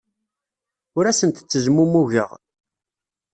Ur asent-ttezmumugeɣ.